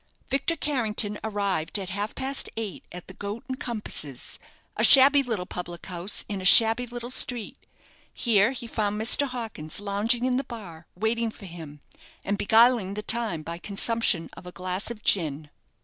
Victor Carrington arrived at half past eight at the "Goat and Compasses" a shabby little public house in a shabby little street. Here he found Mr. Hawkins lounging in the bar, waiting for him, and beguiling the time by the consumption of a glass of gin.